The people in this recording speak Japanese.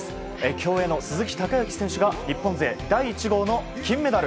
競泳の鈴木孝幸選手が日本勢第１号の金メダル。